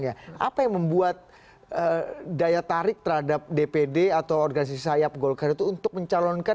apa yang membuat daya tarik terhadap dpd atau organisasi sayap golkar itu untuk mencalonkan